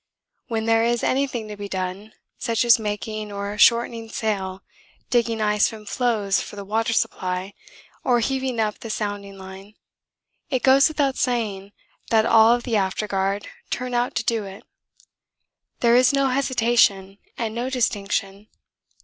When there is anything to be done, such as making or shortening sail, digging ice from floes for the water supply, or heaving up the sounding line, it goes without saying that all the afterguard turn out to do it. There is no hesitation and no distinction.